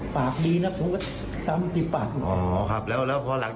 ปากดีนะผมก็ทำติดปากอ๋อครับแล้วแล้วพอหลังจากเกิดเหตุแล้วน่าทำไงต่อครับนี่